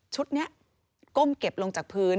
นี้ก้มเก็บลงจากพื้น